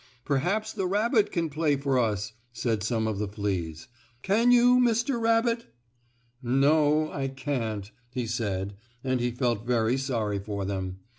"Perhaps the rabbit can play for us," said some of the fleas. "Can you, Mr. Rabbit?" "No, I can't," he said, and he felt very sorry for them.